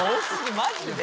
マジで？